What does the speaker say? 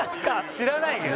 知らないけど。